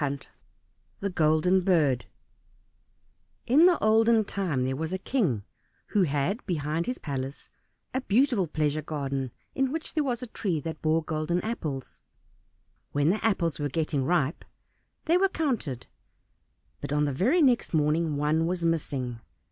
57 The Golden Bird In the olden time there was a king, who had behind his palace a beautiful pleasure garden in which there was a tree that bore golden apples. When the apples were getting ripe they were counted, but on the very next morning one was missing.